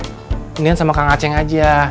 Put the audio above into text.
kemudian sama kang aceh aja